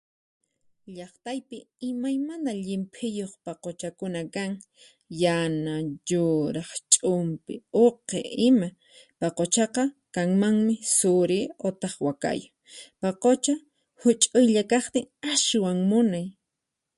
Llaqtaypi imaymana llimphiyuq paquchakuna kan, yana, yuraq, ch'umpi, uqi ima. Paquchaqa kanmanmi Suri utaq Wakayu; paqucha huch'uylla kaqtin aswan munay.